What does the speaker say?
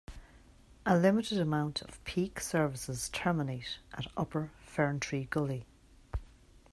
A limited amount of peak services terminate at Upper Ferntree Gully.